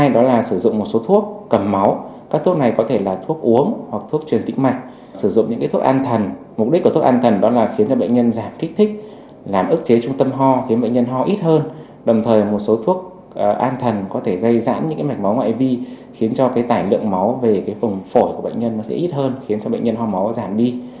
do cái tải lượng máu về cái phồng phổi của bệnh nhân nó sẽ ít hơn khiến cho bệnh nhân ho máu giảm đi